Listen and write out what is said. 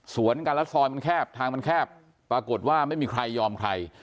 สวนกันแล้วซอยมันแคบทางมันแคบปรากฏว่าไม่มีใครยอมใคร